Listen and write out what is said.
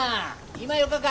今よかか？